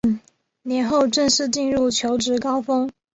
年后正式进入求职高峰